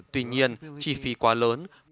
tuy nhiên chi phí quá lớn